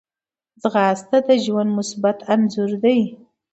ځغاسته د ژوند مثبت انځور دی